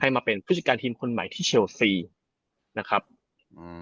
มาเป็นผู้จัดการทีมคนใหม่ที่เชลซีนะครับอืม